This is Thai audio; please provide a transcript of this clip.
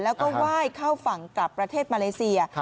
แล้วก็ไหว้เข้าฝั่งกลับประเทศมาเลเซีย